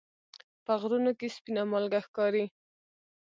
په غرونو کې سپینه مالګه ښکاري.